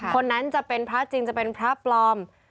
คนนั้นจะเป็นพระจริงจะเป็นพระปลอม